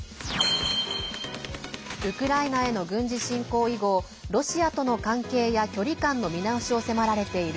ウクライナへの軍事侵攻以後ロシアとの関係や距離感の見直しを迫られている